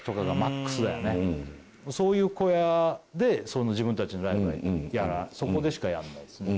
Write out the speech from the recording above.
そういう小屋で自分たちのライブはそこでしかやらないですね。